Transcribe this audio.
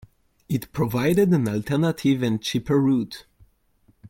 It provided an alternative and cheaper route.